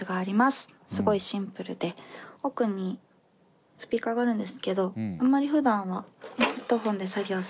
すごいシンプルで奥にスピーカーがあるんですけどあんまりふだんはヘッドホンで作業するんで。